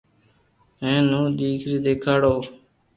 ھين ھون ڊ ڪري ديکاڙو